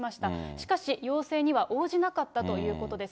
しかし、要請には応じなかったということです。